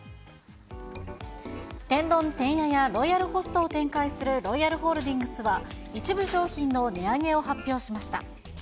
天丼てんややロイヤルホストを展開するロイヤルホールディングスは一部商品の値上げを発表しました。